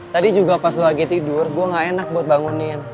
tadi juga pas lagi tidur gue gak enak buat bangunin